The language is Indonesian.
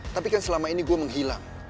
tapi kan selama ini gue menghilang